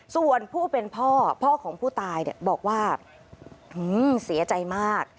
ส่วนผู้เป็นพ่อพ่อของผู้ตายบอกว่าเสียใจมาก